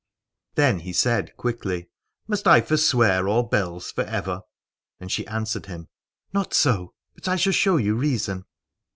Then he said quickly: Must I forswear all bells for ever ? And she answered him : Not so, but I shall show you reason.